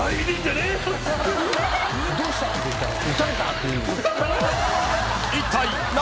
「どうした？」って言ったら。